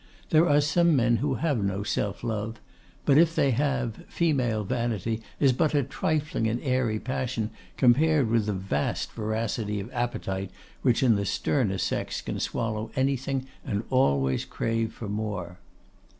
There are some men who have no self love; but if they have, female vanity is but a trifling and airy passion compared with the vast voracity of appetite which in the sterner sex can swallow anything, and always crave for more.